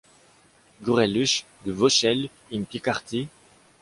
Greluche? de Vauchelles... in Picardy?